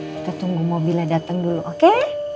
kita tunggu mobilnya datang dulu oke